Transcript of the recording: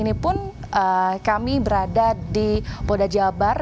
ini pun kami berada di polda jabar